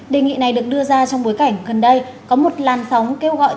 đề nghị này được đưa ra trong bối cảnh gần đây có một làn sóng kêu gọi